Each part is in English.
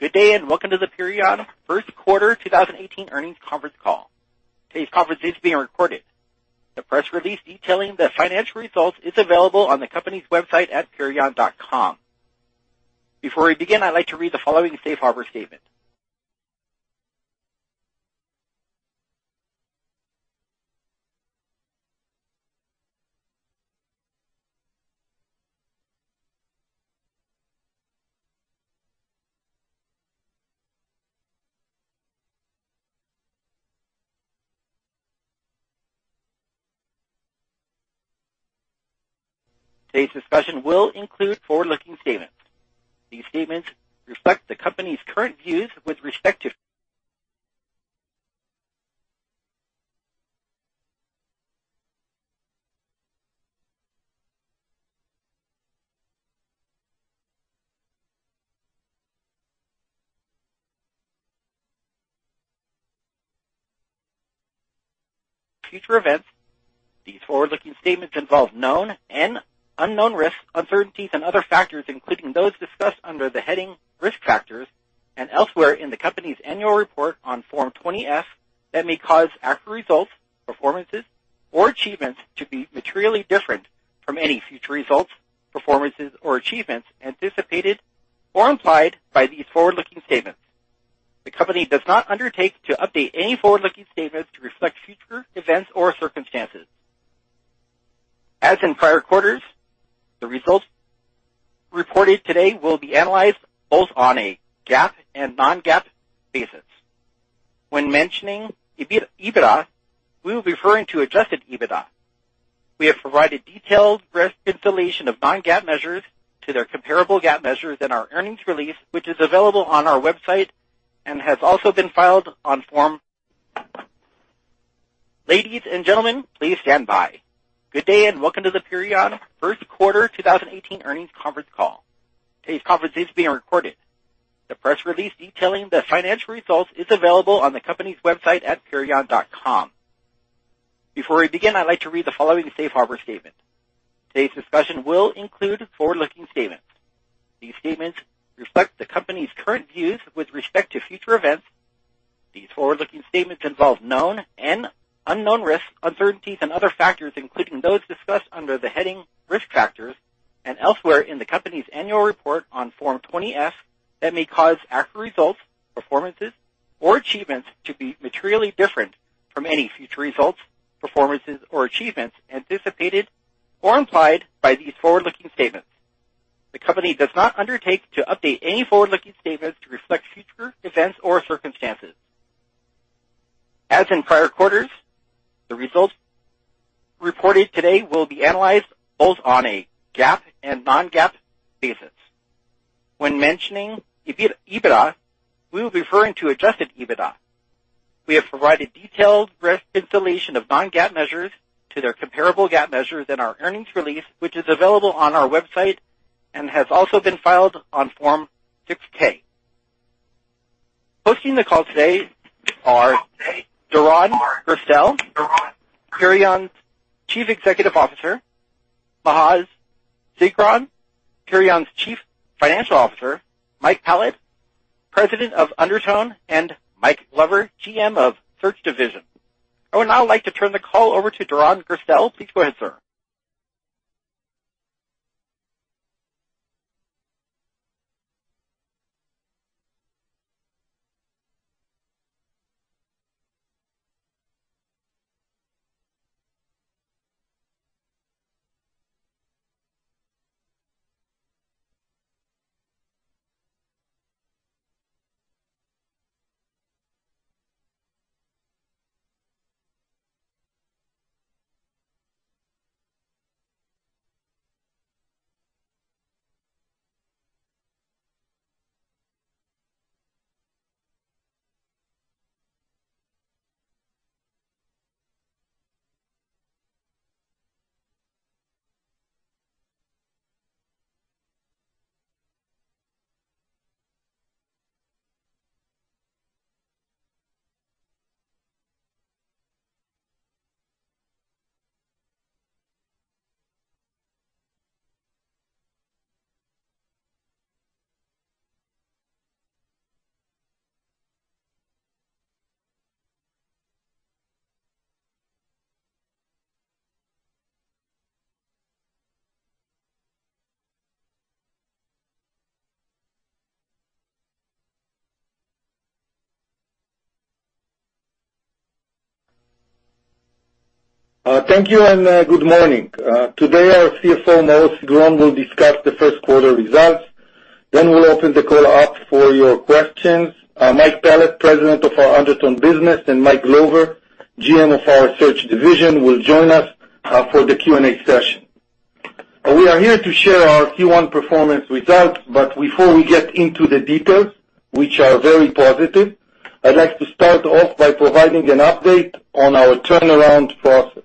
Good day. Welcome to the Perion first quarter 2018 earnings conference call. Today's conference is being recorded. The press release detailing the financial results is available on the company's website at perion.com. Before we begin, I'd like to read the following safe harbor statement. Today's discussion will include forward-looking statements. These statements reflect the company's current views with respect to future events. These forward-looking statements involve known and unknown risks, uncertainties, and other factors, including those discussed under the heading Risk Factors and elsewhere in the company's annual report on Form 20-F that may cause actual results, performances, or achievements to be materially different from any future results, performances, or achievements anticipated or implied by these forward-looking statements. The company does not undertake to update any forward-looking statements to reflect future events or circumstances. As in prior quarters, the results reported today will be analyzed both on a GAAP and non-GAAP basis. When mentioning EBITDA, we will be referring to adjusted EBITDA. We have provided detailed reconciliation of non-GAAP measures to their comparable GAAP measures in our earnings release, which is available on our website and has also been filed on Form. Ladies and gentlemen, please stand by. Good day. Welcome to the Perion first quarter 2018 earnings conference call. Today's conference is being recorded. The press release detailing the financial results is available on the company's website at perion.com. Before we begin, I'd like to read the following safe harbor statement. Today's discussion will include forward-looking statements. These statements reflect the company's current views with respect to future events. These forward-looking statements involve known and unknown risks, uncertainties, and other factors, including those discussed under the heading Risk Factors and elsewhere in the company's annual report on Form 20-F, that may cause actual results, performances, or achievements to be materially different from any future results, performances, or achievements anticipated or implied by these forward-looking statements. The company does not undertake to update any forward-looking statements to reflect future events or circumstances. As in prior quarters, the results reported today will be analyzed both on a GAAP and non-GAAP basis. When mentioning EBITDA, we will be referring to adjusted EBITDA. We have provided detailed reconciliation of non-GAAP measures to their comparable GAAP measures in our earnings release, which is available on our website and has also been filed on Form 6-K. Hosting the call today are Doron Gerstel, Perion's Chief Executive Officer, Maoz Sigron, Perion's Chief Financial Officer, Mike Pallad, President of Undertone, and Mike Glover, GM of Search Division. I would now like to turn the call over to Doron Gerstel. Please go ahead, sir. Thank you. Good morning. Today, our CFO, Maoz Sigron, will discuss the first quarter results. We'll open the call up for your questions. Mike Pallad, President of our Undertone business, and Mike Glover, GM of our Search Division, will join us for the Q&A session. We are here to share our Q1 performance result, before we get into the details, which are very positive, I'd like to start off by providing an update on our turnaround process.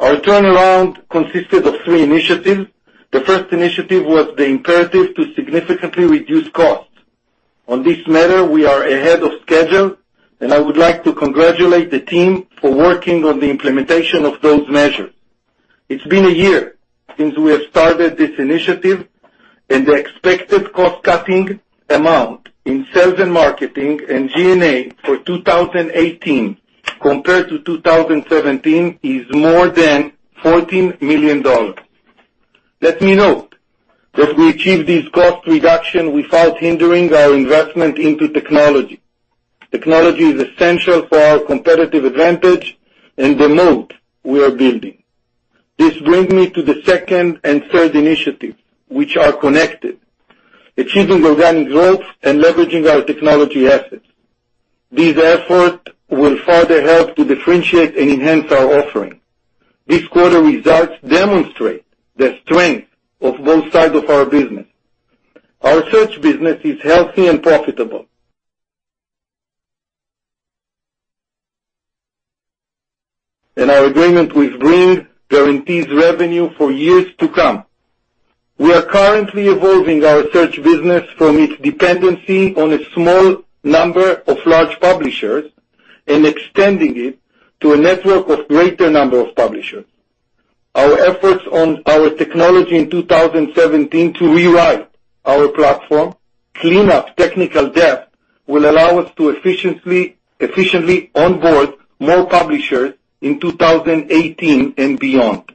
Our turnaround consisted of three initiatives. The first initiative was the imperative to significantly reduce costs. On this matter, we are ahead of schedule, and I would like to congratulate the team for working on the implementation of those measures. It's been a year since we have started this initiative, the expected cost-cutting amount in sales and marketing and G&A for 2018 compared to 2017 is more than $14 million. Let me note that we achieved this cost reduction without hindering our investment into technology. Technology is essential for our competitive advantage and the moat we are building. This brings me to the second and third initiatives, which are connected, achieving organic growth and leveraging our technology assets. These efforts will further help to differentiate and enhance our offering. This quarter results demonstrate the strength of both sides of our business. Our search business is healthy and profitable, and our agreement with Green guarantees revenue for years to come. We are currently evolving our search business from its dependency on a small number of large publishers and extending it to a network of greater number of publishers. Our efforts on our technology in 2017 to rewrite our platform, clean up technical debt, will allow us to efficiently onboard more publishers in 2018 and beyond.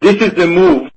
This is the move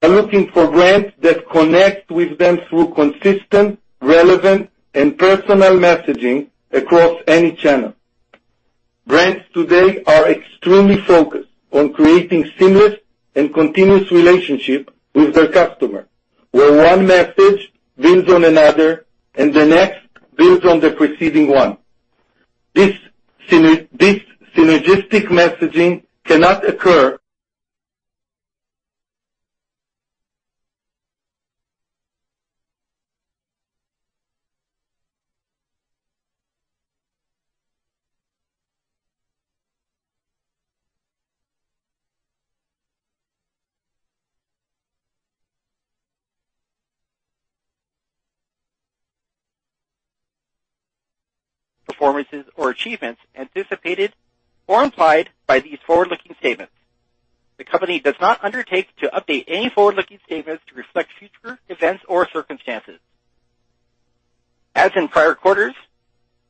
Are looking for brands that connect with them through consistent, relevant, and personal messaging across any channel. Brands today are extremely focused on creating seamless and continuous relationship with their customer, where one message builds on another, and the next builds on the preceding one. This synergistic messaging cannot occur- Performances or achievements anticipated or implied by these forward-looking statements. The company does not undertake to update any forward-looking statements to reflect future events or circumstances. As in prior quarters,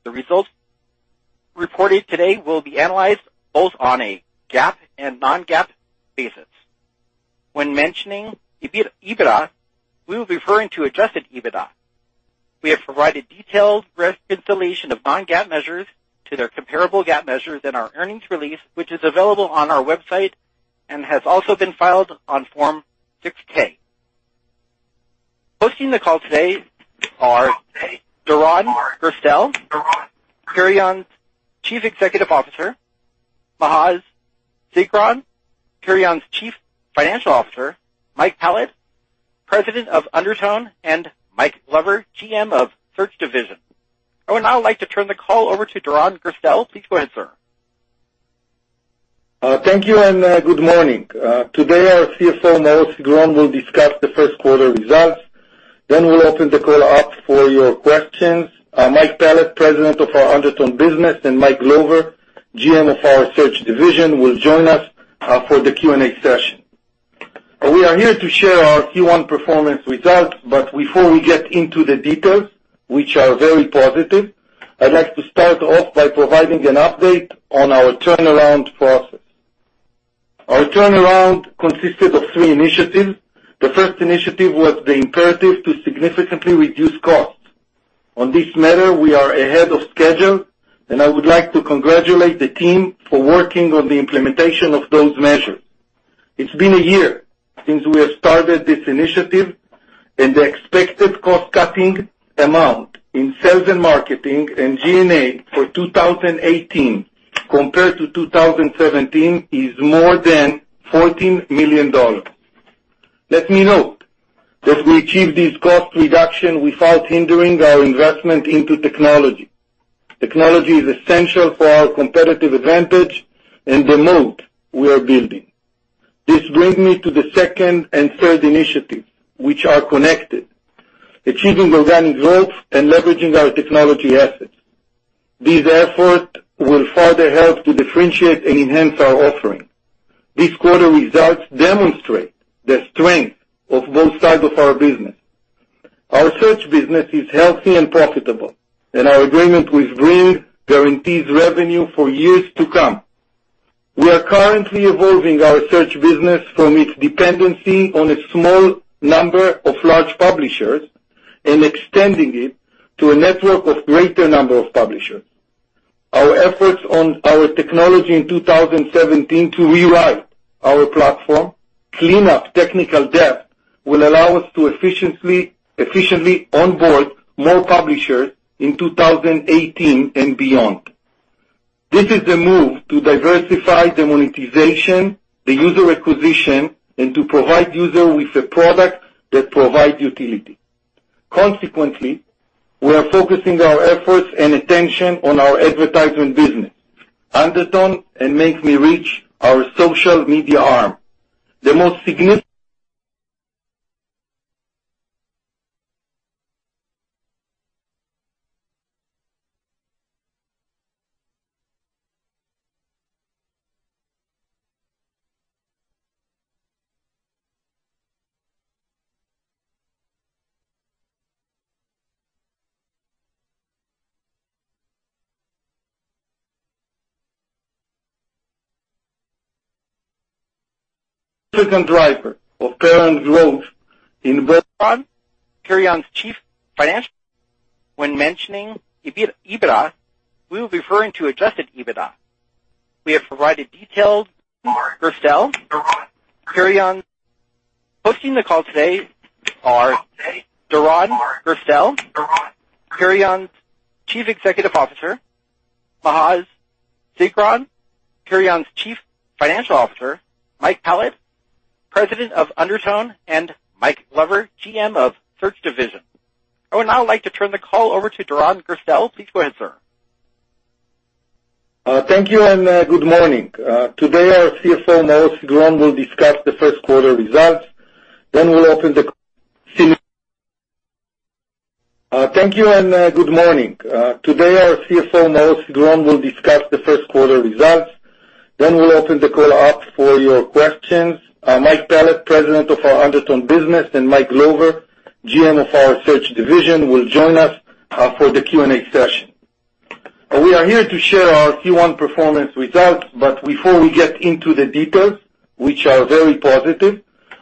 the results reported today will be analyzed both on a GAAP and non-GAAP basis. When mentioning EBITDA, we will be referring to adjusted EBITDA. We have provided detailed reconciliation of non-GAAP measures to their comparable GAAP measures in our earnings release, which is available on our website and has also been filed on Form 6-K. Hosting the call today are Doron Gerstel, Perion's Chief Executive Officer, Maoz Sigron, Perion's Chief Financial Officer, Mike Pallad, President of Undertone, and Mike Glover, GM of Search Division. I would now like to turn the call over to Doron Gerstel. Please go ahead, sir. Thank you. Good morning. Today, our CFO, Maoz Sigron, will discuss the first quarter results. We'll open the call up for your questions. Mike Pallad, President of our Undertone business, and Mike Glover, GM of our Search Division, will join us for the Q&A session. We are here to share our Q1 performance results. Before we get into the details, which are very positive, I'd like to start off by providing an update on our turnaround process. Our turnaround consisted of three initiatives. The first initiative was the imperative to significantly reduce costs. On this matter, we are ahead of schedule, and I would like to congratulate the team for working on the implementation of those measures. It's been a year since we have started this initiative. The expected cost-cutting amount in sales and marketing and G&A for 2018 compared to 2017 is more than $14 million. Let me note that we achieved this cost reduction without hindering our investment into technology. Technology is essential for our competitive advantage and the moat we are building. This brings me to the second and third initiatives, which are connected. Achieving organic growth and leveraging our technology assets. These efforts will further help to differentiate and enhance our offering. This quarter results demonstrate the strength of both sides of our business. Our search business is healthy and profitable, and our agreement with Green guarantees revenue for years to come. We are currently evolving our search business from its dependency on a small number of large publishers and extending it to a network of greater number of publishers. Our efforts on our technology in 2017 to rewrite our platform, clean up technical debt, will allow us to efficiently onboard more publishers in 2018 and beyond. This is the move to diversify the monetization, the user acquisition, and to provide user with a product that provides utility. Consequently, we are focusing our efforts and attention on our advertising business, Undertone and MakeMeReach, our social media arm. When mentioning EBITDA, we will be referring to adjusted EBITDA. Hosting the call today are Doron Gerstel, Perion's Chief Executive Officer, Maoz Sigron, Perion's Chief Financial Officer, Mike Pallad, President of Undertone, and Mike Glover, GM of Search Division. I would now like to turn the call over to Doron Gerstel. Please go ahead, sir. Thank you, and good morning. Today, our CFO, Maoz Sigron, will discuss the first quarter results. We'll open the call up for your questions. Mike Pallad, President of our Undertone business, and Mike Glover, GM of our Search division, will join us for the Q&A session. We are here to share our Q1 performance results, but before we get into the details, which are very positive,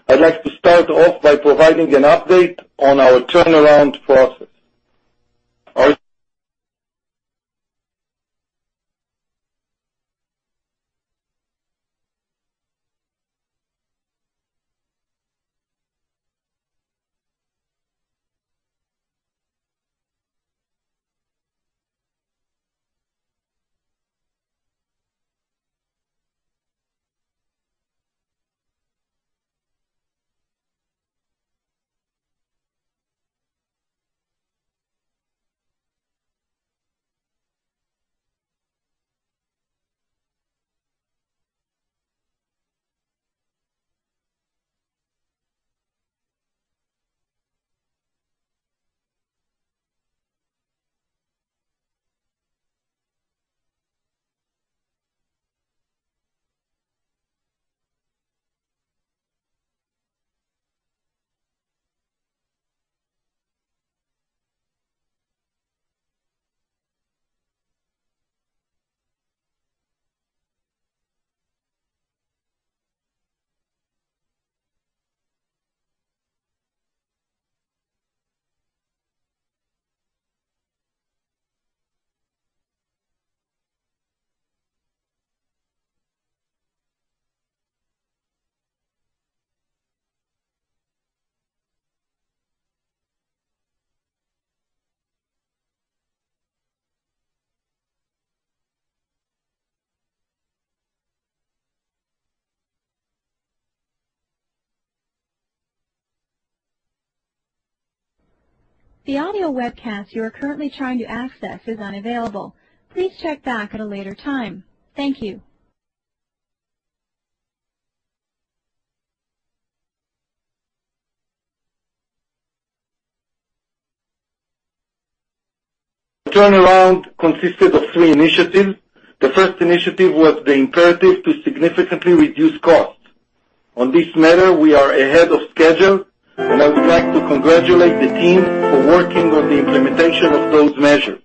I'd like to start off by providing an update on our turnaround process. Our- The audio webcast you are currently trying to access is unavailable. Please check back at a later time. Thank you. Turnaround consisted of three initiatives. The first initiative was the imperative to significantly reduce costs. On this matter, we are ahead of schedule, and I would like to congratulate the team for working on the implementation of those measures.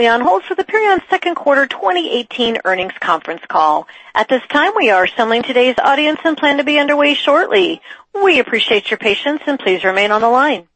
It's- You are currently on hold for the Perion Network second quarter 2018 earnings conference call. At this time, we are assembling today's audience and plan to be underway shortly. We appreciate your patience and please remain on the line.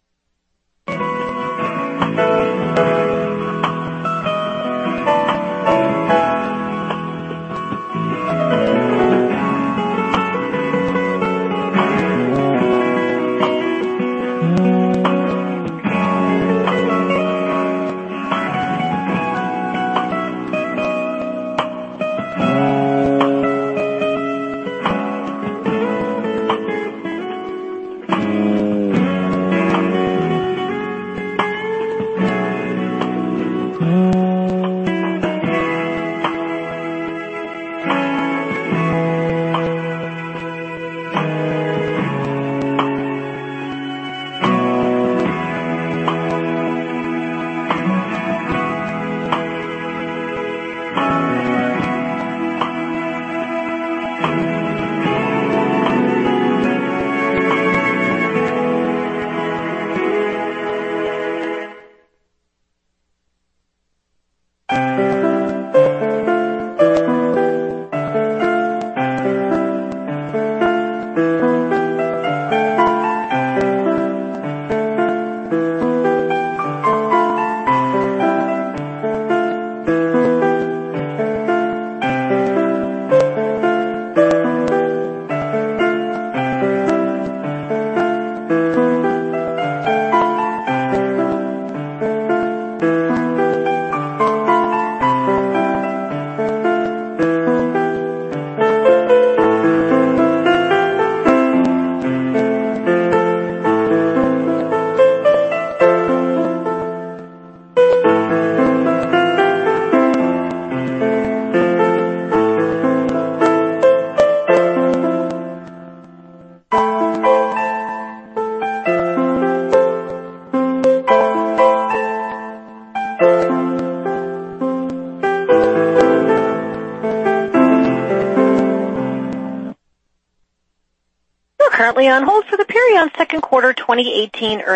Please stand by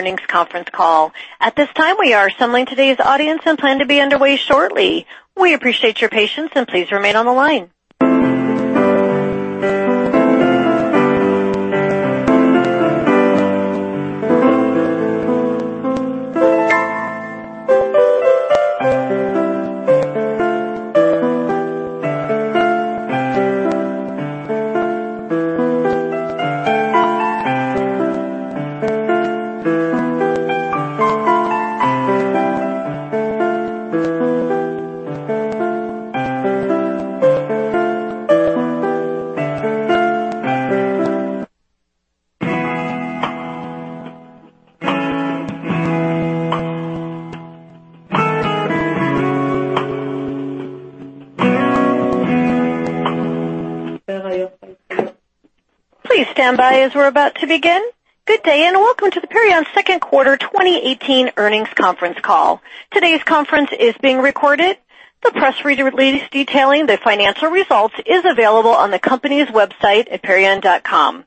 as we're about to begin. Good day, and welcome to the Perion Network second quarter 2018 earnings conference call. Today's conference is being recorded. The press release detailing the financial results is available on the company's website at perion.com.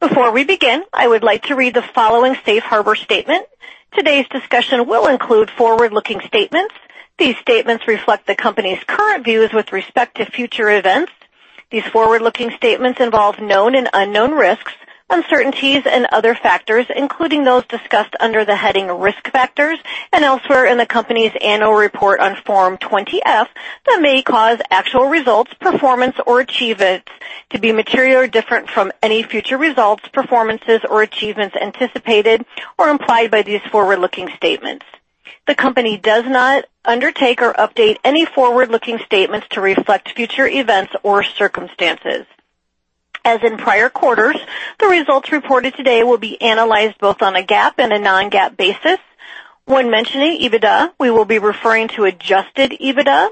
Before we begin, I would like to read the following safe harbor statement. Today's discussion will include forward-looking statements. These statements reflect the company's current views with respect to future events. These forward-looking statements involve known and unknown risks, uncertainties, and other factors, including those discussed under the heading Risk Factors and elsewhere in the company's annual report on Form 20-F, that may cause actual results, performance, or achievements to be materially different from any future results, performances, or achievements anticipated or implied by these forward-looking statements. The company does not undertake or update any forward-looking statements to reflect future events or circumstances. As in prior quarters, the results reported today will be analyzed both on a GAAP and a non-GAAP basis. When mentioning EBITDA, we will be referring to adjusted EBITDA.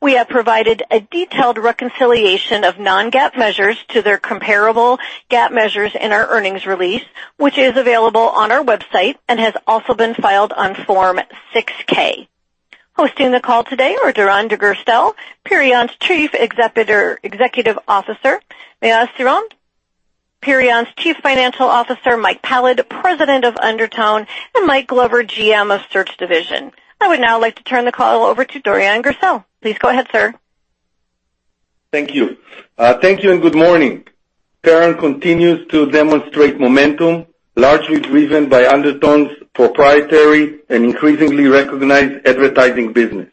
We have provided a detailed reconciliation of non-GAAP measures to their comparable GAAP measures in our earnings release, which is available on our website and has also been filed on Form 6-K. Hosting the call today are Doron Gerstel, Perion's Chief Executive Officer; Maoz Sigron, Perion's Chief Financial Officer; Mike Pallad, President of Undertone; and Mike Glover, GM of Search Division. I would now like to turn the call over to Doron Gerstel. Please go ahead, sir. Thank you. Thank you and good morning. Perion continues to demonstrate momentum, largely driven by Undertone's proprietary and increasingly recognized advertising business.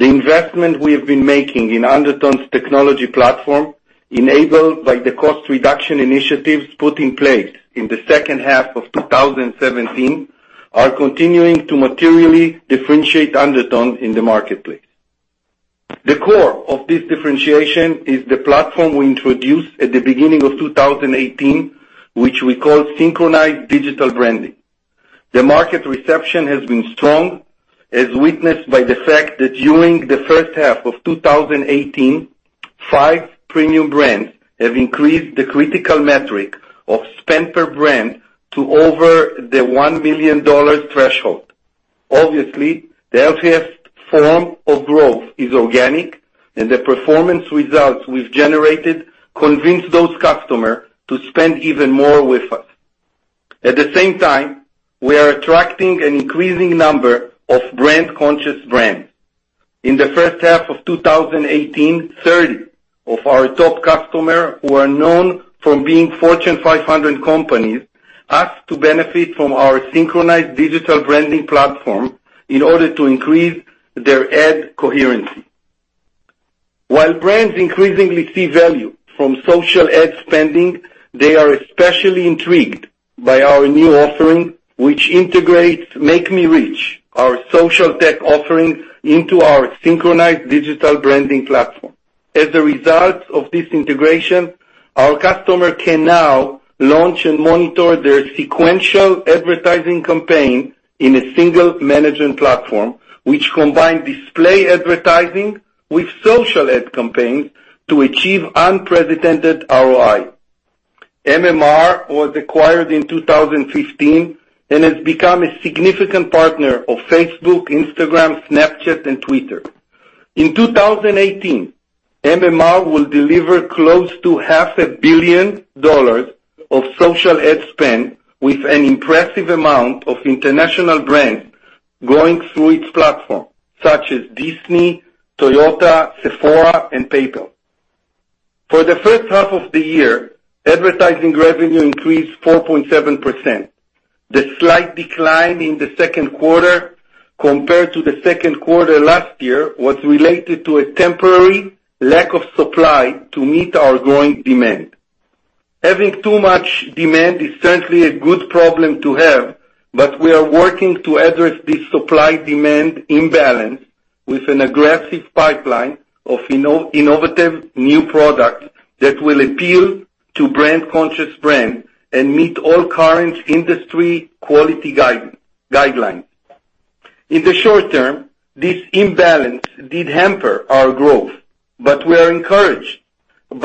The investment we have been making in Undertone's technology platform, enabled by the cost reduction initiatives put in place in the second half of 2017, are continuing to materially differentiate Undertone in the marketplace. The core of this differentiation is the platform we introduced at the beginning of 2018, which we call Synchronized Digital Branding. The market reception has been strong, as witnessed by the fact that during the first half of 2018, five premium brands have increased the critical metric of spend per brand to over the $1 million threshold. Obviously, the healthiest form of growth is organic, and the performance results we've generated convince those customers to spend even more with us. At the same time, we are attracting an increasing number of brand-conscious brands. In the first half of 2018, 30 of our top customers, who are known for being Fortune 500 companies, asked to benefit from our Synchronized Digital Branding platform in order to increase their ad coherency. While brands increasingly see value from social ad spending, they are especially intrigued by our new offering, which integrates MakeMeReach, our social tech offering, into our Synchronized Digital Branding platform. As a result of this integration, our customers can now launch and monitor their sequential advertising campaign in a single management platform, which combines display advertising with social ad campaigns to achieve unprecedented ROI. MMR was acquired in 2015 and has become a significant partner of Facebook, Instagram, Snapchat, and Twitter. In 2018, MMR will deliver close to half a billion dollars of social ad spend with an impressive amount of international brands going through its platform, such as Disney, Toyota, Sephora, and PayPal. For the first half of the year, advertising revenue increased 4.7%. The slight decline in the second quarter compared to the second quarter last year was related to a temporary lack of supply to meet our growing demand. Having too much demand is certainly a good problem to have. We are working to address this supply-demand imbalance with an aggressive pipeline of innovative new products that will appeal to brand-conscious brands and meet all current industry quality guidelines. In the short term, this imbalance did hamper our growth. We are encouraged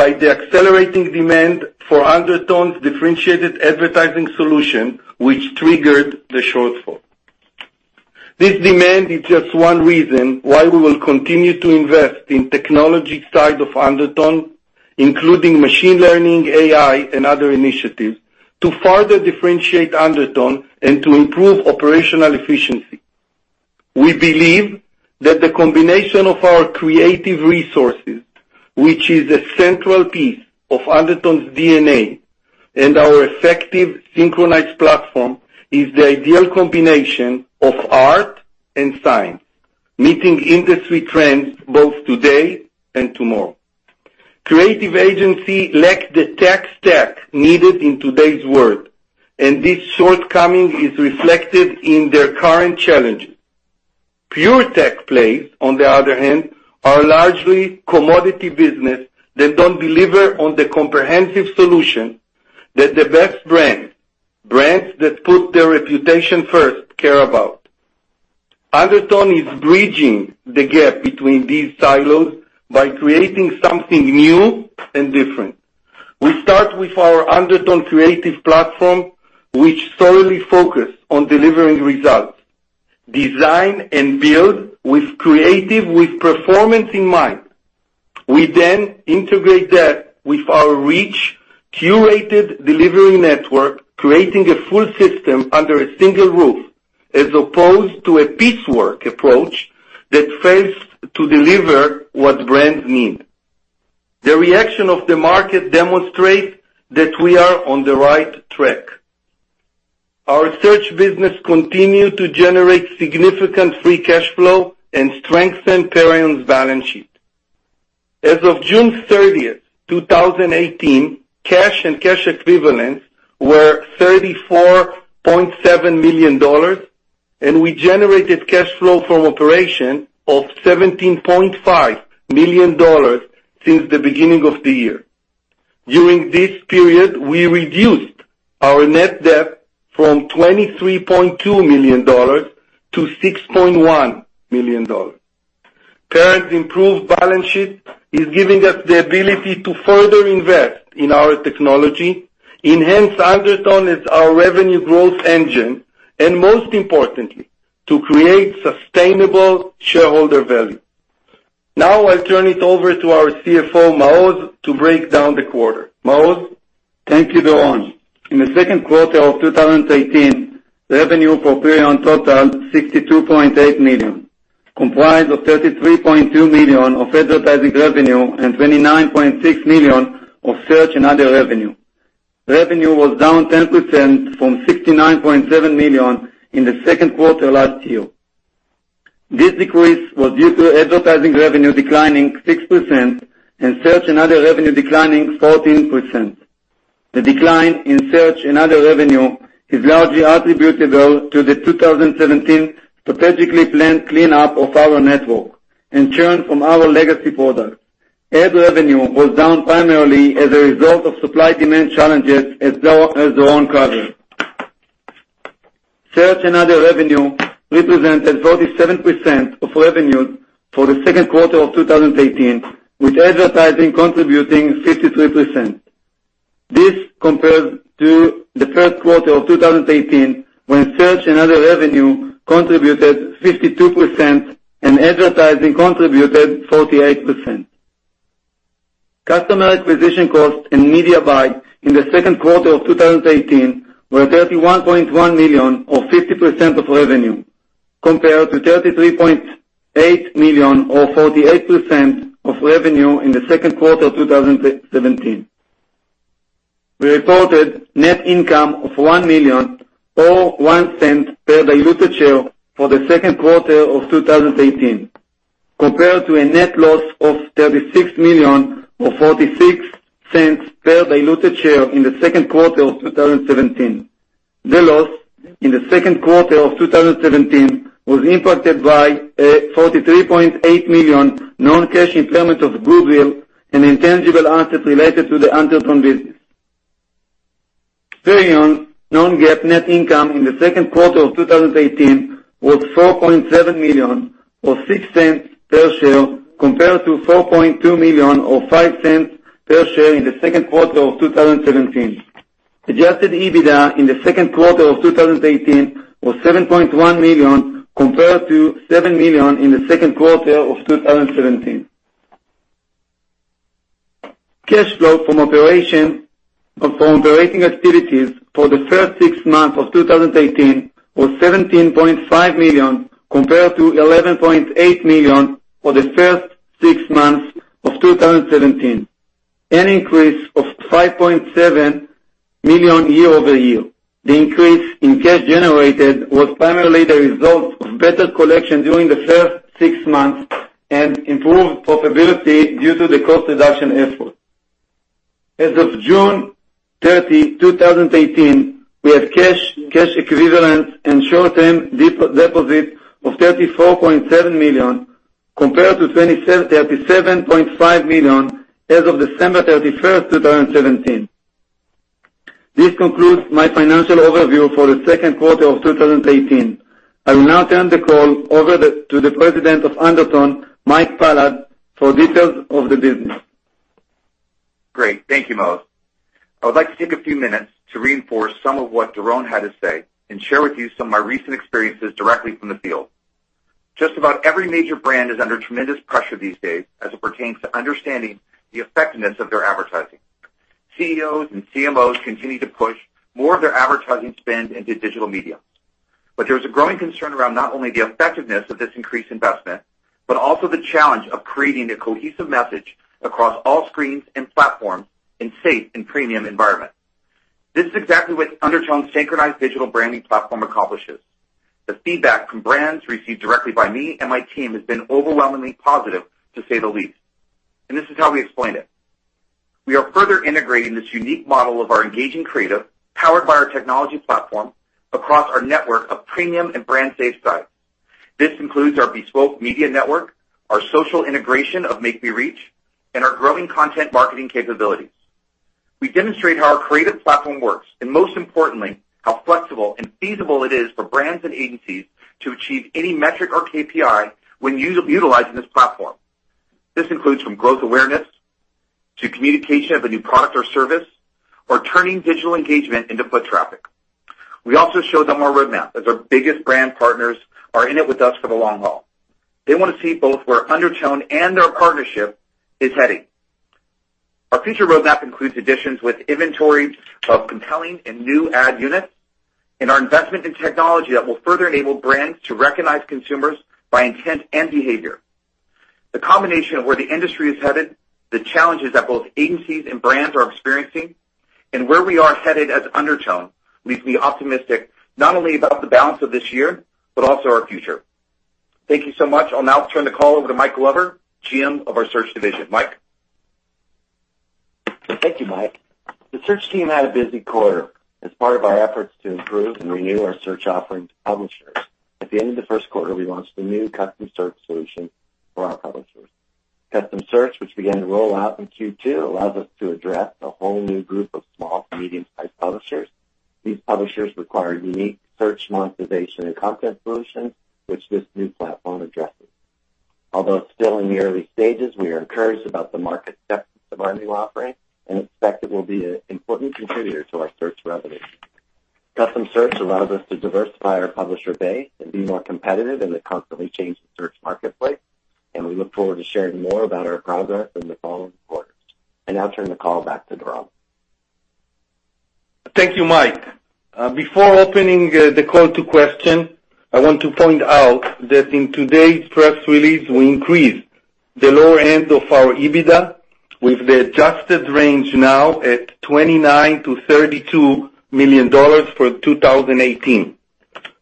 by the accelerating demand for Undertone's differentiated advertising solution, which triggered the shortfall. This demand is just one reason why we will continue to invest in technology side of Undertone, including machine learning, AI, and other initiatives to further differentiate Undertone and to improve operational efficiency. We believe that the combination of our creative resources, which is a central piece of Undertone's DNA, and our effective synchronized platform, is the ideal combination of art and science, meeting industry trends both today and tomorrow. Creative agency lacks the tech stack needed in today's world. This shortcoming is reflected in their current challenges. Pure-tech plays, on the other hand, are largely commodity business that don't deliver on the comprehensive solution that the best brands that put their reputation first, care about. Undertone is bridging the gap between these silos by creating something new and different. We start with our Undertone creative platform, which solely focus on delivering results, design and build with creative with performance in mind. We then integrate that with our reach curated delivery network, creating a full system under a single roof, as opposed to a piecework approach that fails to deliver what brands need. The reaction of the market demonstrates that we are on the right track. Our search business continue to generate significant free cash flow and strengthen Perion's balance sheet. As of June 30th, 2018, cash and cash equivalents were $34.7 million, and we generated cash flow from operation of $17.5 million since the beginning of the year. During this period, we reduced our net debt from $23.2 million to $6.1 million. Perion's improved balance sheet is giving us the ability to further invest in our technology, enhance Undertone as our revenue growth engine, and most importantly, to create sustainable shareholder value. Now, I'll turn it over to our CFO, Maoz, to break down the quarter. Maoz? Thank you, Doron. In the second quarter of 2018, revenue for Perion totaled $62.8 million, comprised of $33.2 million of advertising revenue and $29.6 million of search and other revenue. Revenue was down 10% from $69.7 million in the second quarter last year. This decrease was due to advertising revenue declining 6% and search and other revenue declining 14%. The decline in search and other revenue is largely attributable to the 2017 strategically planned cleanup of our network and churn from our legacy products. Ad revenue was down primarily as a result of supply-demand challenges, as Doron covered. Search and other revenue represents 47% of revenue for the second quarter of 2018, with advertising contributing 53%. This compares to the first quarter of 2018, when search and other revenue contributed 52% and advertising contributed 48%. Customer acquisition costs and media buy in the second quarter of 2018 were $31.1 million or 50% of revenue, compared to $33.8 million or 48% of revenue in the second quarter of 2017. We reported net income of $1 million or $0.01 per diluted share for the second quarter of 2018, compared to a net loss of $36 million or $0.46 per diluted share in the second quarter of 2017. The loss in the second quarter of 2017 was impacted by a $43.8 million non-cash impairment of goodwill and intangible assets related to the Undertone business. Perion's non-GAAP net income in the second quarter of 2018 was $4.7 million or $0.06 per share, compared to $4.2 million or $0.05 per share in the second quarter of 2017. Adjusted EBITDA in the second quarter of 2018 was $7.1 million, compared to $7 million in the second quarter of 2017. Cash flow from operating activities for the first six months of 2018 was $17.5 million, compared to $11.8 million for the first six months of 2017, an increase of $5.7 million year-over-year. The increase in cash generated was primarily the result of better collection during the first six months and improved profitability due to the cost reduction effort. As of June 30, 2018, we have cash equivalent and short-term deposits of $34.7 million, compared to $27.5 million as of December 31, 2017. This concludes my financial overview for the second quarter of 2018. I will now turn the call over to the President of Undertone, Mike Pallad, for details of the business. Great. Thank you, Mo. I would like to take a few minutes to reinforce some of what Doron had to say and share with you some of my recent experiences directly from the field. Just about every major brand is under tremendous pressure these days as it pertains to understanding the effectiveness of their advertising. CEOs and CMOs continue to push more of their advertising spend into digital media. There's a growing concern around not only the effectiveness of this increased investment, but also the challenge of creating a cohesive message across all screens and platforms in safe and premium environments. This is exactly what Undertone's Synchronized Digital Branding platform accomplishes. The feedback from brands received directly by me and my team has been overwhelmingly positive, to say the least. This is how we explained it. We are further integrating this unique model of our engaging creative, powered by our technology platform, across our network of premium and brand safe sites. This includes our bespoke media network, our social integration of MakeMeReach, and our growing content marketing capabilities. We demonstrate how our creative platform works, and most importantly, how flexible and feasible it is for brands and agencies to achieve any metric or KPI when utilizing this platform. This includes from growth awareness to communication of a new product or service, or turning digital engagement into foot traffic. We also show them our roadmap, as our biggest brand partners are in it with us for the long haul. They want to see both where Undertone and their partnership is heading. Our future roadmap includes additions with inventory of compelling and new ad units, and our investment in technology that will further enable brands to recognize consumers by intent and behavior. The combination of where the industry is headed, the challenges that both agencies and brands are experiencing, and where we are headed as Undertone leaves me optimistic not only about the balance of this year, but also our future. Thank you so much. I'll now turn the call over to Mike Glover, GM of our search division. Mike? Thank you, Mike. The search team had a busy quarter as part of our efforts to improve and renew our search offerings to publishers. At the end of the first quarter, we launched the new custom search solution for our publishers. Custom search, which began to roll out in Q2, allows us to address a whole new group of small- to medium-sized publishers. These publishers require unique search monetization and content solutions, which this new platform addresses. Although it's still in the early stages, we are encouraged about the market acceptance of our new offering and expect it will be an important contributor to our search revenue. Custom search allows us to diversify our publisher base and be more competitive in the constantly changing search marketplace, and we look forward to sharing more about our progress in the following quarters. I now turn the call back to Doron. Thank you, Mike. Before opening the call to question, I want to point out that in today's press release, we increased the lower end of our EBITDA with the adjusted range now at $29 million-$32 million for 2018.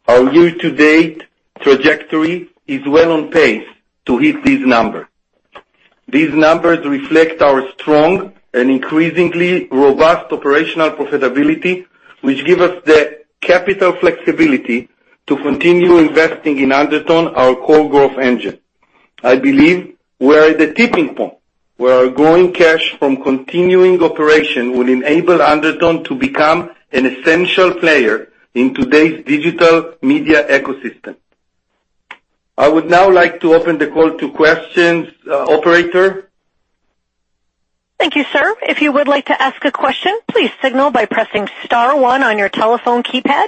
Our year-to-date trajectory is well on pace to hit these numbers. These numbers reflect our strong and increasingly robust operational profitability, which give us the capital flexibility to continue investing in Undertone, our core growth engine. I believe we're at the tipping point, where our growing cash from continuing operation will enable Undertone to become an essential player in today's digital media ecosystem. I would now like to open the call to questions. Operator? Thank you, sir. If you would like to ask a question, please signal by pressing star one on your telephone keypad.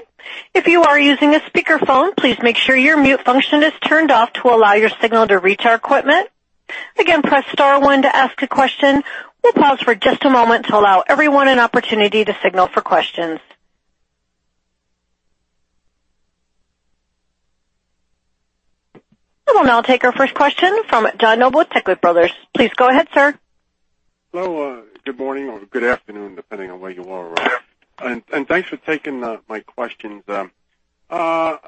If you are using a speakerphone, please make sure your mute function is turned off to allow your signal to reach our equipment. Again, press star one to ask a question. We will pause for just a moment to allow everyone an opportunity to signal for questions. We will now take our first question from John Nobile at Taglich Brothers. Please go ahead, sir. Hello. Good morning or good afternoon, depending on where you are. Thanks for taking my questions. The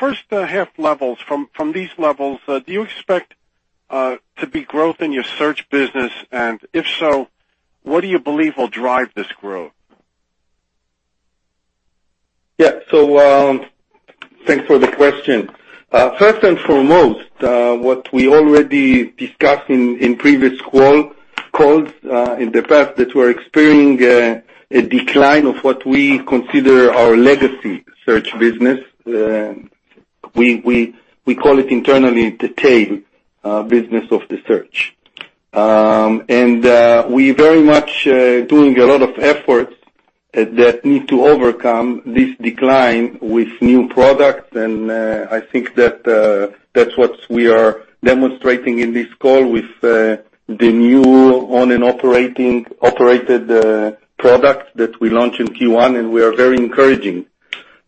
first half levels, from these levels, do you expect to be growth in your search business? If so, what do you believe will drive this growth? Thanks for the question. First and foremost, what we already discussed in previous calls in the past, that we're experiencing a decline of what we consider our legacy search business. We call it internally the tail business of the search. We very much doing a lot of efforts that need to overcome this decline with new products. I think that's what we are demonstrating in this call with the new owned and operated product that we launched in Q1, and we are very encouraging.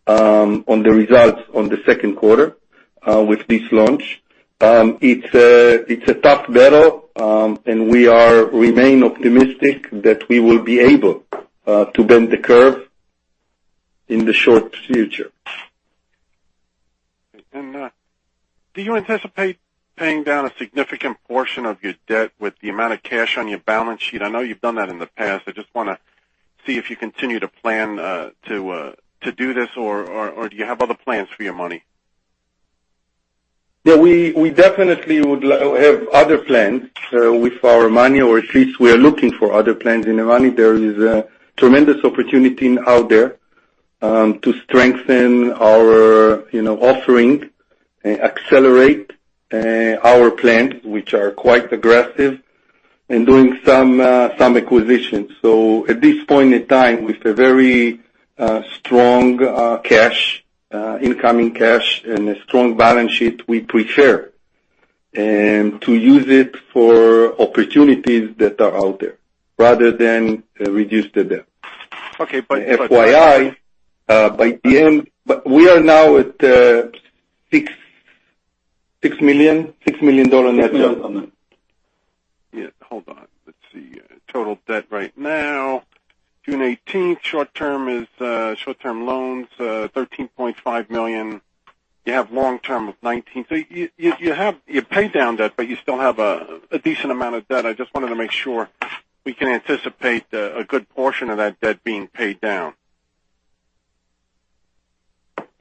On the results on the second quarter with this launch. It's a tough battle, we remain optimistic that we will be able to bend the curve in the short future. Do you anticipate paying down a significant portion of your debt with the amount of cash on your balance sheet? I know you've done that in the past. I just want to see if you continue to plan to do this, or do you have other plans for your money? Yeah, we definitely would have other plans with our money, or at least we are looking for other plans. In Perion, there is a tremendous opportunity out there to strengthen our offering, accelerate our plans, which are quite aggressive, and doing some acquisitions. At this point in time, with a very strong incoming cash and a strong balance sheet, we prefer to use it for opportunities that are out there rather than reduce the debt. Okay. FYI, by EBITDA, we are now at a $6 million net. Yeah. Hold on. Let's see. Total debt right now, June 18th, short-term loans, $13.5 million. You have long-term of $19 million. You pay down debt, but you still have a decent amount of debt. I just wanted to make sure we can anticipate a good portion of that debt being paid down.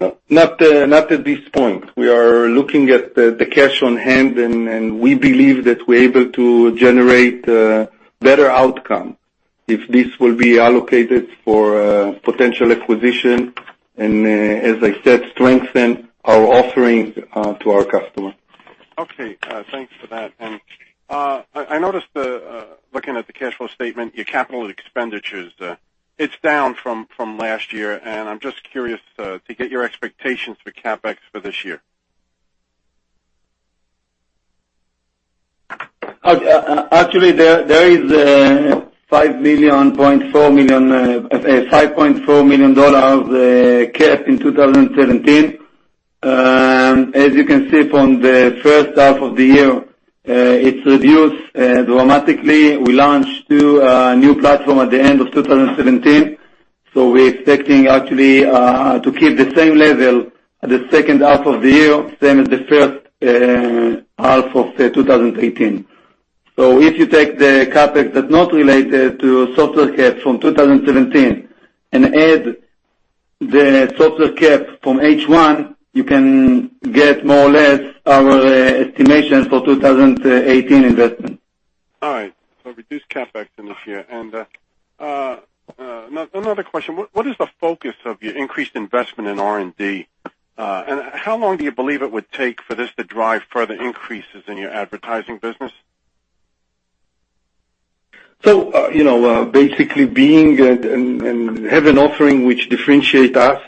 No, not at this point. We are looking at the cash on hand, and we believe that we're able to generate a better outcome if this will be allocated for a potential acquisition, and, as I said, strengthen our offerings to our customer. Okay, thanks for that. I noticed, looking at the cash flow statement, your capital expenditures. It's down from last year, and I'm just curious to get your expectations for CapEx for this year. Actually, there is $5.4 million of CapEx in 2017. As you can see from the first half of the year, it's reduced dramatically. We launched two new platforms at the end of 2017. We're expecting actually to keep the same level the second half of the year, same as the first half of 2018. If you take the CapEx that's not related to software CapEx from 2017 and add the software CapEx from H1, you can get more or less our estimation for 2018 investment. All right. Reduced CapEx in this year. Another question, what is the focus of your increased investment in R&D? How long do you believe it would take for this to drive further increases in your advertising business? Basically, have an offering which differentiates us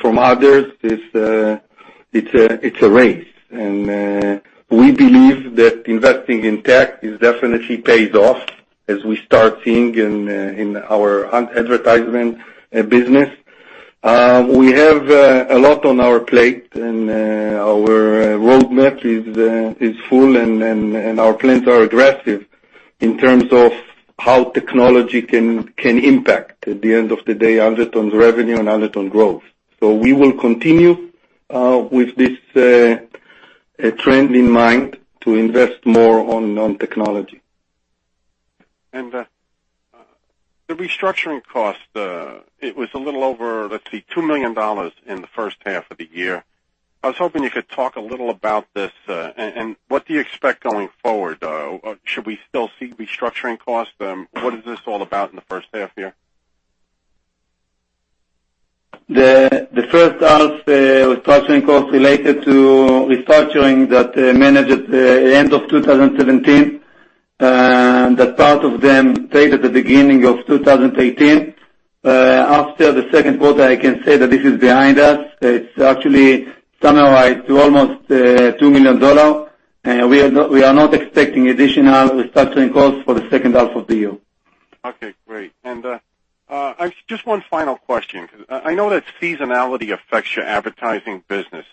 from others, it's a race. We believe that investing in tech definitely pays off as we start seeing in our advertisement business. We have a lot on our plate, and our roadmap is full, and our plans are aggressive in terms of how technology can impact, at the end of the day, Undertone's revenue and Undertone growth. We will continue with this trend in mind to invest more on technology. The restructuring cost, it was a little over, let's see, $2 million in the first half of the year. I was hoping you could talk a little about this and what do you expect going forward? Should we still see restructuring costs? What is this all about in the first half year? The first half restructuring costs related to restructuring that managed at the end of 2017, that part of them paid at the beginning of 2018. After the second quarter, I can say that this is behind us. It's actually summarized to almost $2 million. We are not expecting additional restructuring costs for the second half of the year. Okay, great. Just one final question, because I know that seasonality affects your advertising business,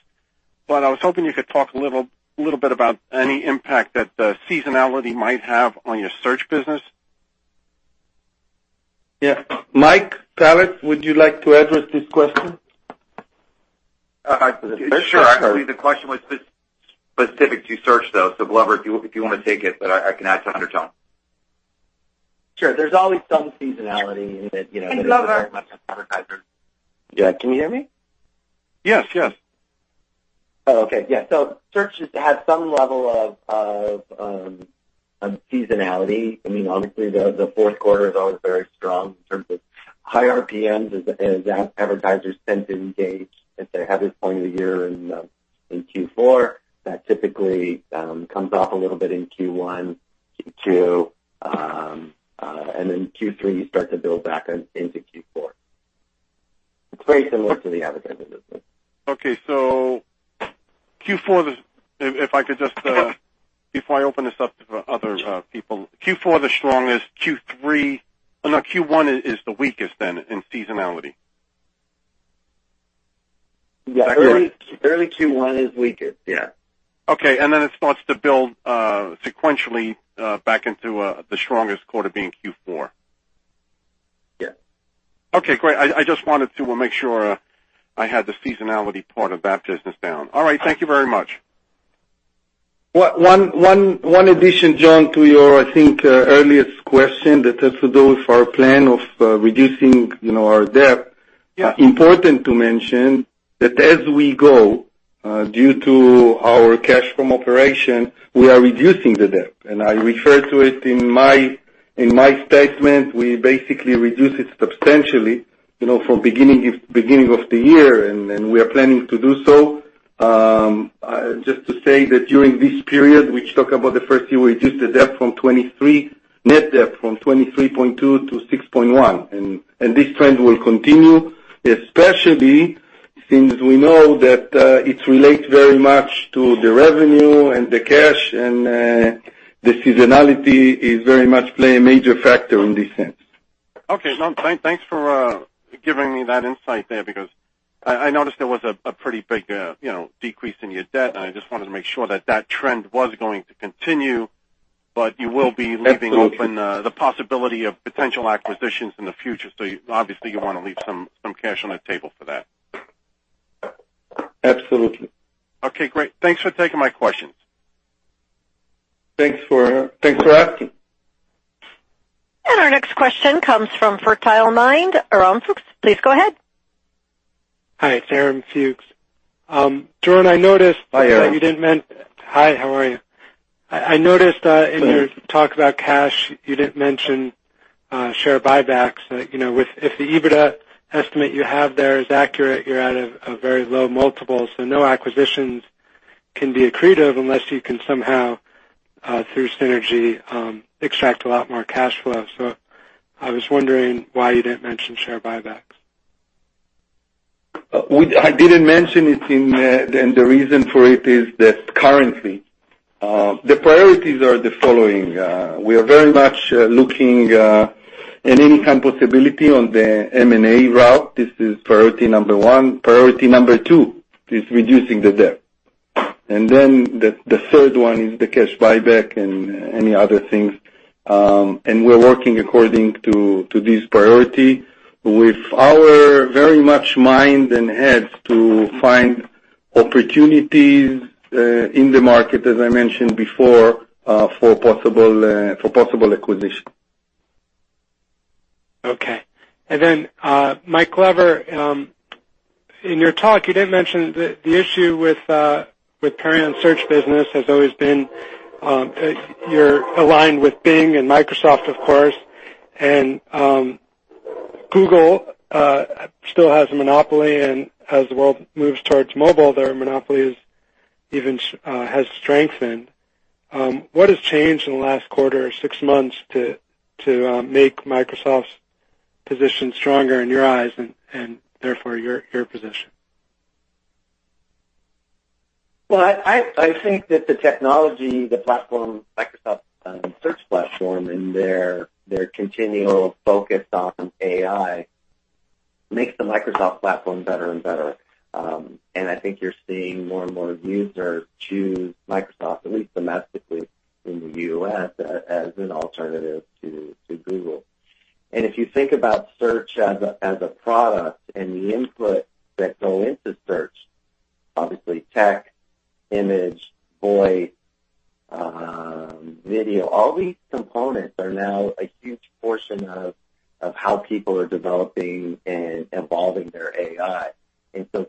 but I was hoping you could talk a little bit about any impact that seasonality might have on your search business. Yeah. Mike, Pallad, would you like to address this question? Sure. Actually, the question was specific to search, though, so Glover, if you want to take it, but I can add to Undertone. Sure. There's always some seasonality in it. Hey, Glover. That is very much an advertiser. Yeah, can you hear me? Yes. Oh, okay. Yeah. Search has some level of seasonality. Obviously, the fourth quarter is always very strong in terms of high RPMs as advertisers tend to engage at that heaviest point of the year in Q4. That typically comes off a little bit in Q1, Q2, and in Q3, you start to build back into Q4. It's very similar to the advertising business. Okay, Q4, if I could just, before I open this up for other people. Q4, the strongest. Q1 is the weakest then in seasonality? Yeah. Early Q1 is weakest. Yeah. Okay. Then it starts to build sequentially, back into the strongest quarter being Q4. Yeah. Okay, great. I just wanted to make sure I had the seasonality part of that business down. All right. Thank you very much. One addition, John, to your, I think, earliest question that has to do with our plan of reducing our debt. Yeah. Important to mention that as we go, due to our cash from operation, we are reducing the debt. I refer to it in my statement. We basically reduce it substantially from beginning of the year, and we are planning to do so. Just to say that during this period, which talk about the first few, we reduced the net debt from $23.2 to $6.1, and this trend will continue, especially since we know that, it relates very much to the revenue and the cash, and the seasonality very much play a major factor in this sense. Okay. No, thanks for giving me that insight there, because I noticed there was a pretty big decrease in your debt, and I just wanted to make sure that that trend was going to continue. You will be- Absolutely leaving open the possibility of potential acquisitions in the future. Obviously you want to leave some cash on the table for that. Absolutely. Okay, great. Thanks for taking my questions. Thanks for asking. Our next question comes from Fertile Mind, Aram Fuchs. Please go ahead. Hi, it's Aram Fuchs. Doron. I noticed. Hi, Aram. Hi, how are you? I noticed, in your talk about cash, you didn't mention share buybacks. If the EBITDA estimate you have there is accurate, you're at a very low multiple, so no acquisitions can be accretive unless you can somehow, through synergy, extract a lot more cash flow. I was wondering why you didn't mention share buybacks. I didn't mention it, the reason for it is that currently, the priorities are the following. We are very much looking at any kind of possibility on the M&A route. This is priority number one. Priority number two is reducing the debt. The third one is the cash buyback and any other things. We're working according to these priority with our very much mind and heads to find opportunities in the market, as I mentioned before, for possible acquisition. Okay. Mike Glover, in your talk, you didn't mention the issue with Perion search business has always been, you're aligned with Bing and Microsoft, of course, Google still has a monopoly, as the world moves towards mobile, their monopoly has strengthened. What has changed in the last quarter or six months to make Microsoft's position stronger in your eyes and therefore your position? Well, I think that the technology, the platform, Microsoft Search platform, and their continual focus on AI makes the Microsoft platform better and better. I think you're seeing more and more users choose Microsoft, at least domestically in the U.S., as an alternative to Google. If you think about search as a product and the input that go into search, obviously text, image, voice, video, all these components are now a huge portion of how people are developing and evolving their AI.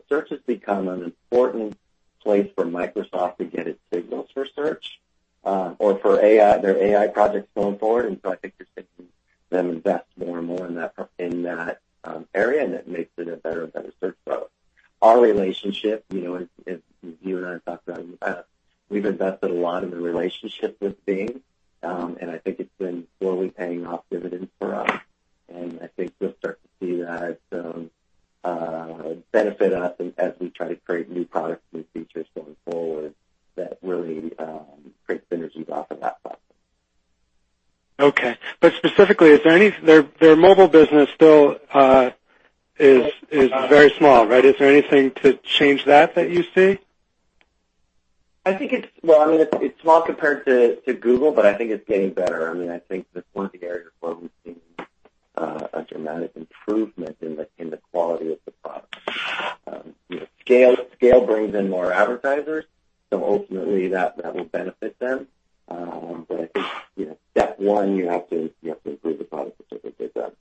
Search has become an important place for Microsoft to get its signals for search, or for their AI projects going forward. I think you're seeing them invest more and more in that area, and it makes it a better and better search flow. Our relationship, as you and I talked about, we've invested a lot in the relationship with Bing. I think it's been slowly paying off dividends for us. I think we'll start to see that benefit us as we try to create new products, new features going forward that really create synergies off of that platform. Okay. Specifically, their mobile business still is very small, right? Is there anything to change that you see? Well, it's small compared to Google, I think it's getting better. I think that's one of the areas where we've seen a dramatic improvement in the quality of the product. Scale brings in more advertisers, ultimately that will benefit them. I think step one, you have to improve the product significantly then.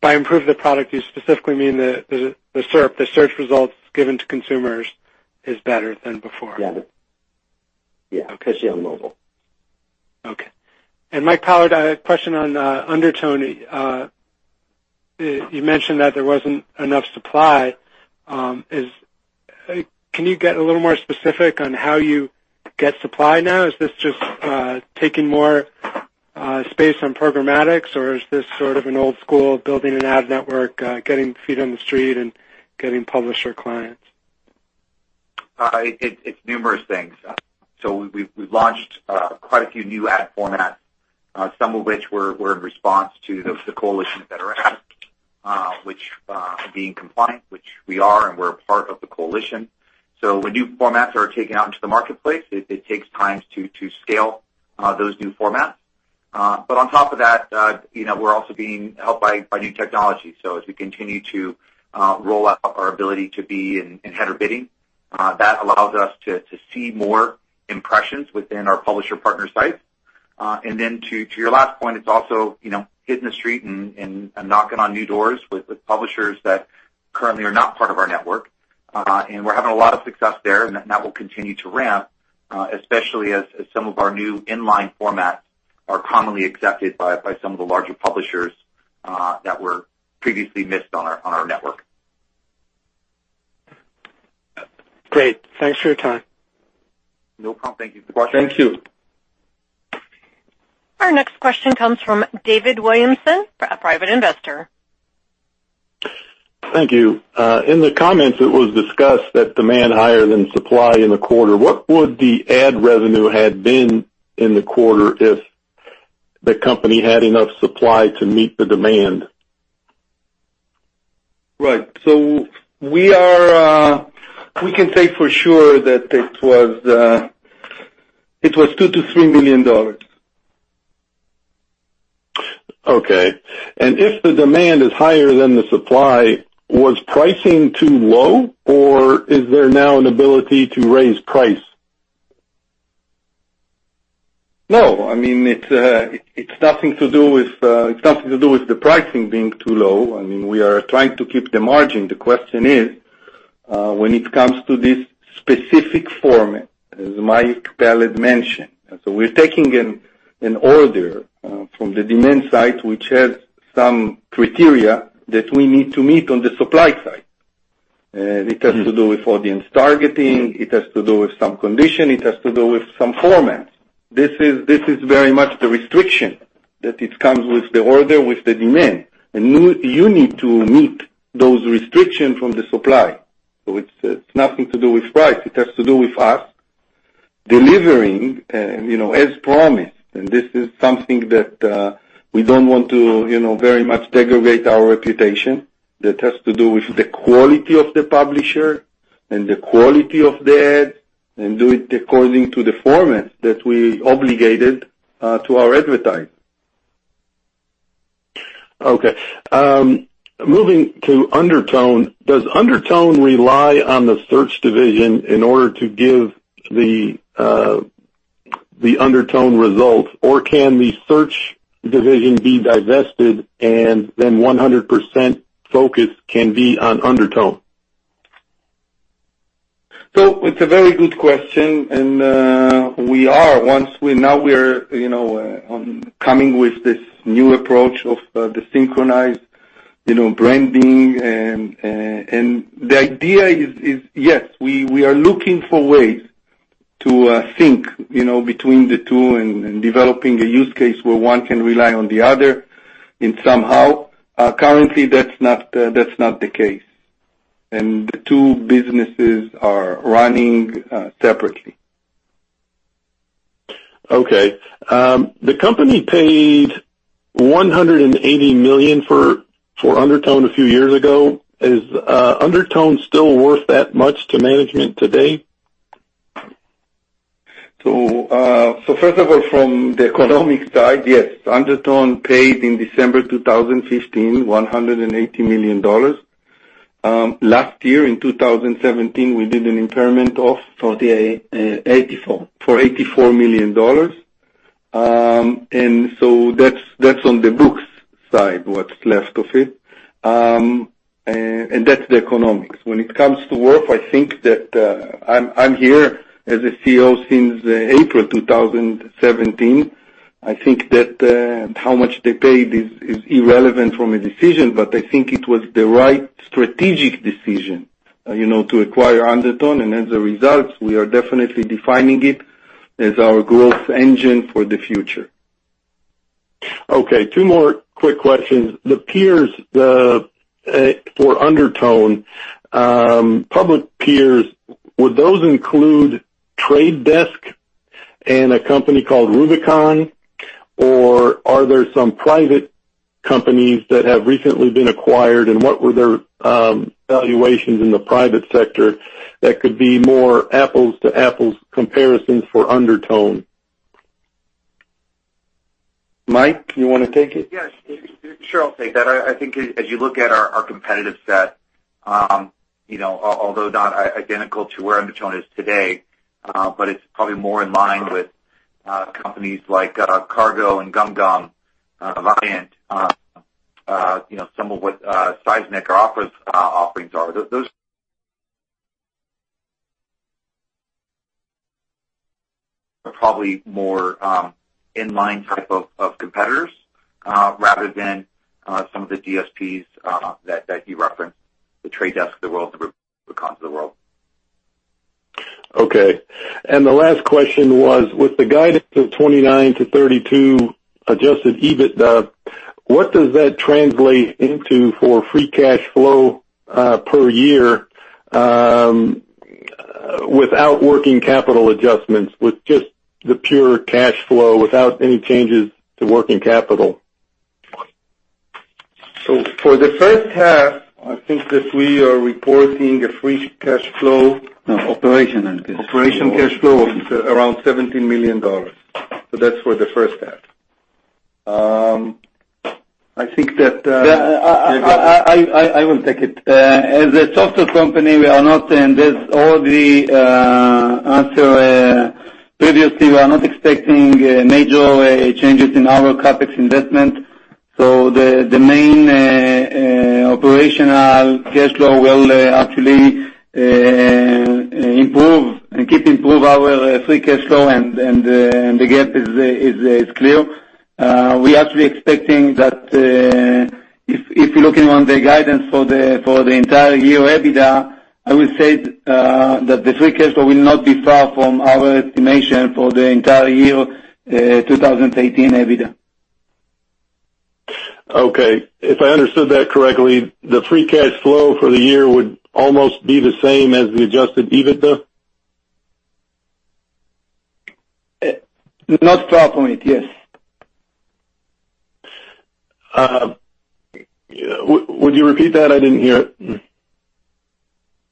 By improve the product, you specifically mean the SERP, the search results given to consumers is better than before? Yeah. Okay. Especially on mobile. Okay. Mike Pallad, I had a question on Undertone. You mentioned that there wasn't enough supply. Can you get a little more specific on how you get supply now? Is this just taking more Based on programmatics, or is this sort of an old school building an ad network, getting feet on the street and getting publisher clients? It's numerous things. We've launched quite a few new ad formats, some of which were in response to the Coalition for Better Ads, which being compliant, which we are, and we're a part of the Coalition for Better Ads. When new formats are taken out into the marketplace, it takes time to scale those new formats. On top of that, we're also being helped by new technology. As we continue to roll out our ability to be in header bidding, that allows us to see more impressions within our publisher partner sites. To your last point, it's also hitting the street and knocking on new doors with publishers that currently are not part of our network. We're having a lot of success there, and that will continue to ramp, especially as some of our new inline formats are commonly accepted by some of the larger publishers that were previously missed on our network. Great. Thanks for your time. No problem. Thank you for the question. Thank you. Our next question comes from David Williamson, a private investor. Thank you. In the comments, it was discussed that demand higher than supply in the quarter. What would the ad revenue had been in the quarter if the company had enough supply to meet the demand? We can say for sure that it was $2 million-$3 million. If the demand is higher than the supply, was pricing too low, or is there now an ability to raise price? No, it's nothing to do with the pricing being too low. We are trying to keep the margin. The question is, when it comes to this specific format, as Mike Pallad had mentioned. We're taking an order from the demand side, which has some criteria that we need to meet on the supply side. It has to do with audience targeting, it has to do with some condition, it has to do with some formats. This is very much the restriction that it comes with the order, with the demand. You need to meet those restrictions from the supply. It's nothing to do with price. It has to do with us delivering as promised. This is something that we don't want to very much degrade our reputation. That has to do with the quality of the publisher and the quality of the ad, and do it according to the format that we obligated to our advertisers. Okay. Moving to Undertone, does Undertone rely on the search division in order to give the Undertone results, or can the search division be divested and then 100% focus can be on Undertone? It's a very good question, now we're coming with this new approach of the Synchronized Branding. The idea is, yes, we are looking for ways to sync between the two and developing a use case where one can rely on the other somehow. Currently, that's not the case. The two businesses are running separately. Okay. The company paid $180 million for Undertone a few years ago. Is Undertone still worth that much to management today? First of all, from the economic side, yes, Undertone paid in December 2015, $180 million. Last year, in 2017, we did an impairment For $84. That's on the books side, what's left of it. That's the economics. When it comes to worth, I'm here as a CEO since April 2017. I think that how much they paid is irrelevant from a decision, but I think it was the right strategic decision, to acquire Undertone. As a result, we are definitely defining it as our growth engine for the future. Okay, two more quick questions. The peers for Undertone, public peers, would those include Trade Desk and a company called Rubicon? Or are there some private companies that have recently been acquired, and what were their valuations in the private sector that could be more apples to apples comparisons for Undertone? Mike, you want to take it? Yes. Sure, I'll take that. I think as you look at our competitive set, although not identical to where Undertone is today, but it's probably more in line with companies like Kargo and GumGum, Viant, some of what Sizmek offerings are. Those are probably more in-line type of competitors, rather than some of the DSPs that you referenced, the Trade Desks of the world, the Rubicons of the world. The last question was, with the guidance of $29 million-$32 million adjusted EBITDA, what does that translate into for free cash flow per year without working capital adjustments, with just the pure cash flow, without any changes to working capital? For the first half, I think that we are reporting a free cash flow No, operational cash. Operational cash flow of around $17 million. That's for the first half. I will take it. As a software company, already, answered previously, we are not expecting major changes in our CapEx investment. The main operational cash flow will actually improve and keep improve our free cash flow, and the gap is clear. We're actually expecting that, if you're looking on the guidance for the entire year EBITDA, I will say, that the free cash flow will not be far from our estimation for the entire year 2018 EBITDA. Okay. If I understood that correctly, the free cash flow for the year would almost be the same as the adjusted EBITDA? Not far from it, yes. Would you repeat that? I didn't hear it.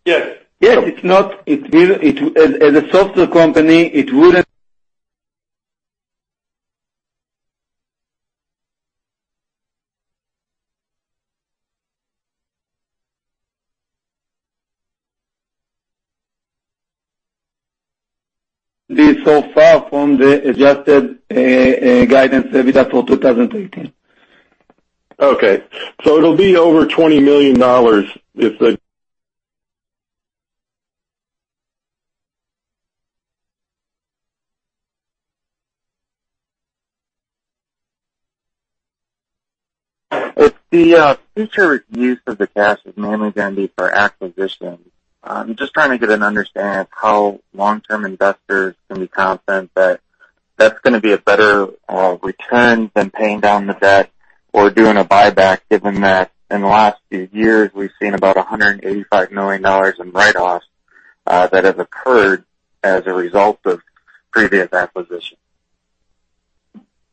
Yes. As a software company, it wouldn't be so far from the adjusted guidance EBITDA for 2018. It'll be over $20 million. If the future use of the cash is mainly going to be for acquisitions, I'm just trying to get an understanding of how long-term investors can be confident that that's going to be a better return than paying down the debt or doing a buyback, given that in the last few years, we've seen about $185 million in write-offs that have occurred as a result of previous acquisitions.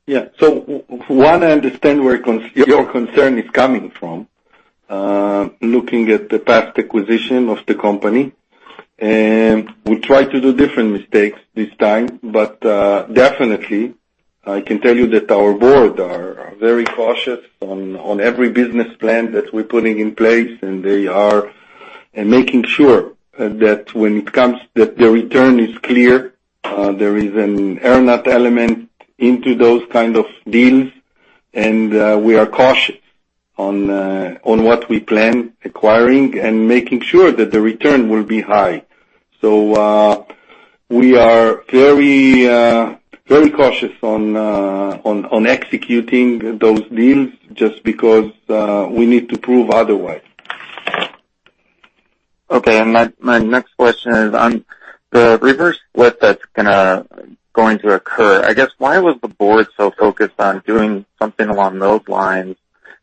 Yeah. For one, I understand where your concern is coming from, looking at the past acquisition of the company. We try to do different mistakes this time. Definitely, I can tell you that our board are very cautious on every business plan that we're putting in place, and they are making sure that the return is clear, there is an earn-out element into those kind of deals, and we are cautious on what we plan acquiring and making sure that the return will be high. We are very cautious on executing those deals just because we need to prove otherwise. Okay. My next question is on the reverse split that's going to occur. I guess why was the board so focused on doing something along those lines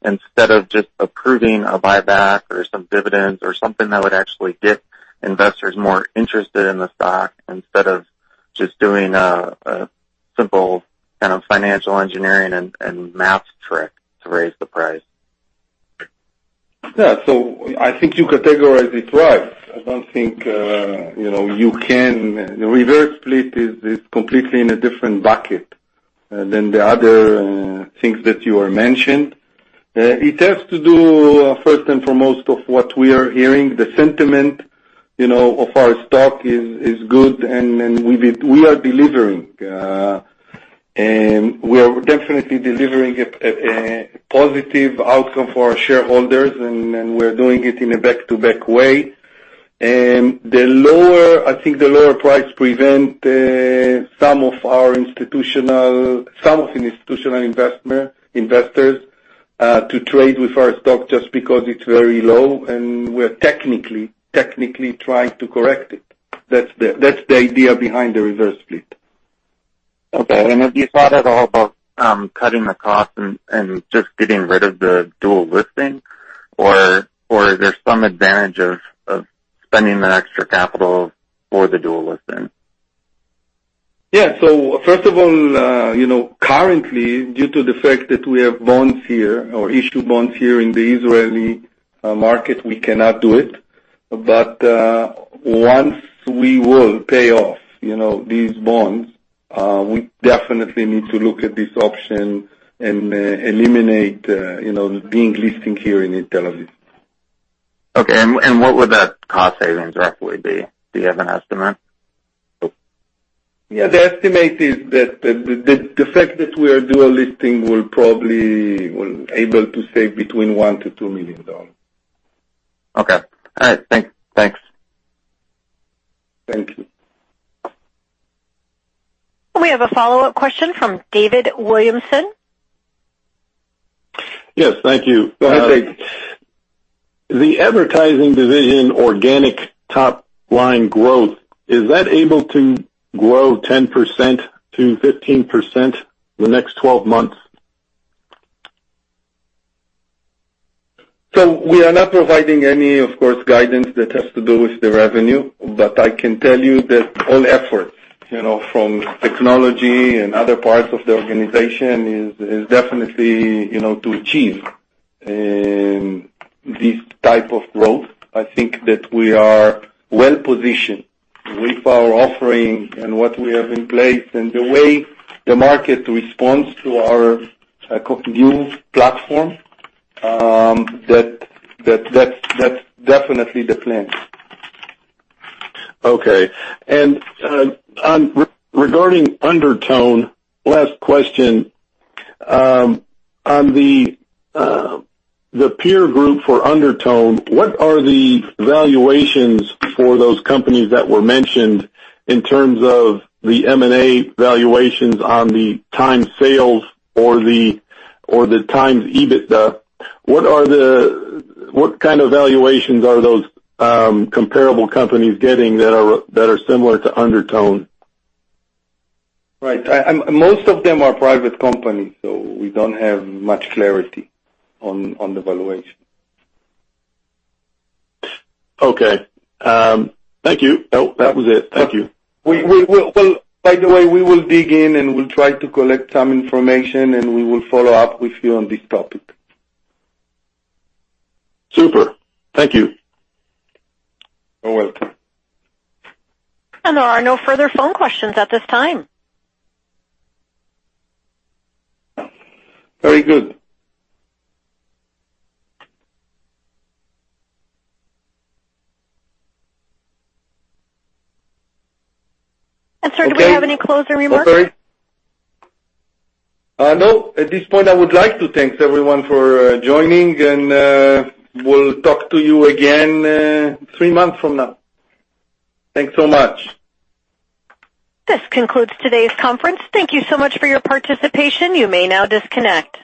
instead of just approving a buyback or some dividends or something that would actually get investors more interested in the stock, instead of just doing a simple kind of financial engineering and math trick to raise the price? Yeah. I think you categorize it right. I don't think reverse split is completely in a different bracket than the other things that you mentioned. It has to do, first and foremost, of what we are hearing. The sentiment of our stock is good, and we are delivering. We are definitely delivering a positive outcome for our shareholders, and we're doing it in a back-to-back way. I think the lower price prevent some of the institutional investors to trade with our stock just because it's very low, and we're technically trying to correct it. That's the idea behind the reverse split. Okay. Have you thought at all about cutting the cost and just getting rid of the dual listing? Is there some advantage of spending the extra capital for the dual listing? Yeah. First of all, currently, due to the fact that we have bonds here or issue bonds here in the Israeli market, we cannot do it. Once we will pay off these bonds, we definitely need to look at this option and eliminate being listing here in Tel Aviv. Okay. What would that cost savings roughly be? Do you have an estimate? Yeah, the estimate is that the fact that we are dual listing, we'll probably able to save between $1 million-$2 million. Okay. All right. Thanks. Thank you. We have a follow-up question from David Williamson. Yes. Thank you. Go ahead. The advertising division organic top-line growth, is that able to grow 10%-15% the next 12 months? We are not providing any, of course, guidance that has to do with the revenue. I can tell you that all efforts from technology and other parts of the organization is definitely to achieve this type of growth. I think that we are well-positioned with our offering and what we have in place, and the way the market responds to our new platform, that's definitely the plan. Okay. Regarding Undertone, last question. On the peer group for Undertone, what are the valuations for those companies that were mentioned in terms of the M&A valuations on the times sales or the times EBITDA? What kind of valuations are those comparable companies getting that are similar to Undertone? Right. Most of them are private companies, we don't have much clarity on the valuation. Okay. Thank you. That was it. Thank you. By the way, we will dig in, we'll try to collect some information, we will follow up with you on this topic. Super. Thank you. You're welcome. There are no further phone questions at this time. Very good. Sir, do we have any closing remarks? Sorry. No. At this point, I would like to thank everyone for joining, and we'll talk to you again three months from now. Thanks so much. This concludes today's conference. Thank you so much for your participation. You may now disconnect.